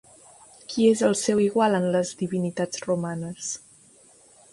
Qui és el seu igual en les divinitats romanes?